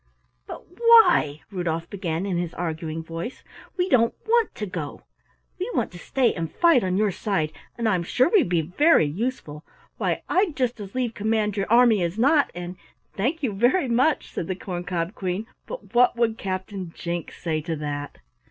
"But why?" Rudolf began in his arguing voice. "We don't want to go. We want to stay and fight on your side, and I'm sure we'd be very useful! Why I'd just as lief command your army as not, and " "Thank you very much," said the Corn cob Queen, "but what would Captain Jinks say to that?